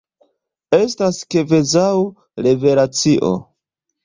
Estis kvazaŭ revelacio!